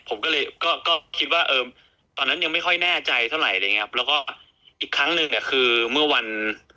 ผมก็เลยก็ก็คิดว่าเออตอนนั้นยังไม่ค่อยแน่ใจเท่าไหร่อะไรอย่างเงี้ยแล้วก็อีกครั้งหนึ่งอ่ะคือเมื่อวัน